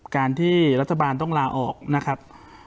การที่รัฐบาลต้องลาออกนะครับ